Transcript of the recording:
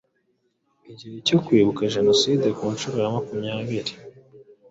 igihe cyo kwibuka jenoside ku nshuro ya makumyabiri.